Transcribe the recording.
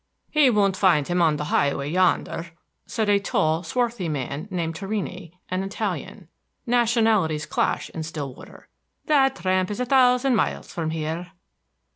"He won't find him on the highway yonder," said a tall, swarthy man named Torrini, an Italian. Nationalities clash in Stillwater. "That tramp is a thousand miles from here."